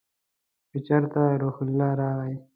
که چېرته روح الله راغی !